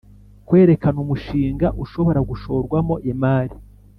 Kwerekana umushinga ushobora gushorwamo imari